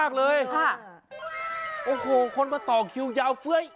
ขึ้นมาต่อคิ้วยาวเฟื่อย